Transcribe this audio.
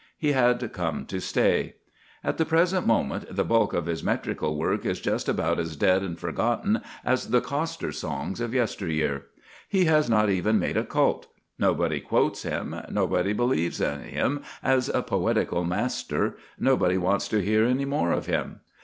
He had come to stay. At the present moment the bulk of his metrical work is just about as dead and forgotten as the coster songs of yesteryear. He has not even made a cult; nobody quotes him, nobody believes in him as a poetical master, nobody wants to hear any more of him.